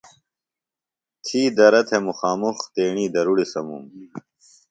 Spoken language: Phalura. تھی درہ تھہ مُخامُخ تیݨی درُڑیۡ سموم۔